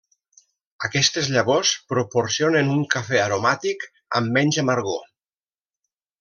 Aquestes llavors proporcionen un cafè aromàtic amb menys amargor.